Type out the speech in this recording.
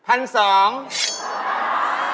ก็ประมาณนี้น่ะ๑๒๐๐บาท